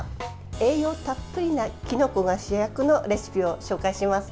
栄養たっぷりなきのこが主役のレシピを紹介します。